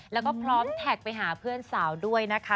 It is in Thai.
แล้วก็พร้อมแท็กไปหาเพื่อนสาวด้วยนะคะ